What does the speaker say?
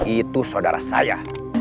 itu sodara saya